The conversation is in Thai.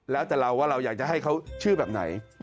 แล้วแต่เราว่าเราอยากจะให้เขาชื่อแบบไหน